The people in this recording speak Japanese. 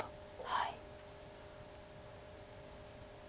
はい。